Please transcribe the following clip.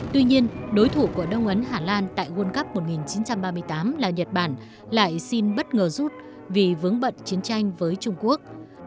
tuy nhiên đối thủ của đông ấn hà lan tại world cup một nghìn chín trăm ba mươi tám là nhật bản lại xin bất ngờ rút vì vướng bận chiến tranh với trung quốc